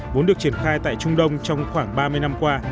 vốn được triển khai tại trung đông trong khoảng ba mươi năm qua